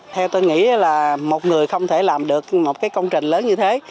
theo tôi nghĩ là một người không thể làm được một công trình lớn như thế